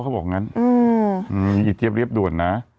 เขาบอกงั้นอีเจี๊ยเรียบด่วนนะ